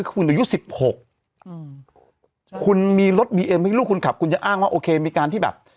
คุณอายุสิบหกอืมคุณมีรถบีเอ็มให้ลูกคุณขับคุณจะอ้างว่าโอเคมีการที่แบบ